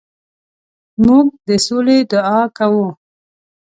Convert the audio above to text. موږ د سولې دعا کوو.